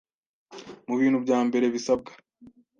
Mu bintu bya mbere bisabwa